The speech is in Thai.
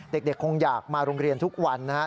เด็กคงอยากมาโรงเรียนทุกวันนะฮะ